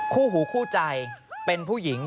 คู่หูคู่ใจเป็นผู้หญิง